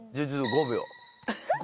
５秒。